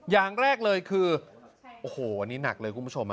อย่างแรกเลยคือโอ้โหอันนี้หนักเลยคุณผู้ชม